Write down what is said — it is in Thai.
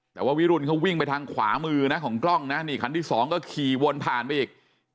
แต่ว่าวิรุณเขาวิ่งไปทางขวามือนะของกล้องนะนี่คันที่สองก็ขี่วนผ่านไปอีก